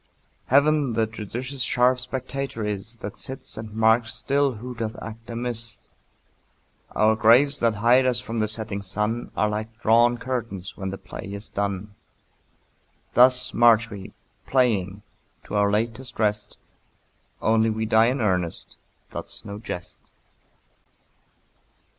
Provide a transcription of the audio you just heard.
Heaven the judicious sharp spectator is, That sits and marks still who doth act amiss. Our graves that hide us from the setting sun Are like drawn curtains when the play is done. Thus march we, playing, to our latest rest, Only we die in earnest, that's no jest.